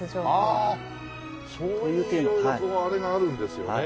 ああそういう色々あれがあるんですよね。